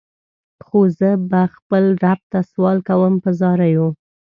خو زه به خپل رب ته سوال کوم په زاریو.